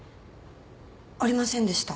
ありませんでした。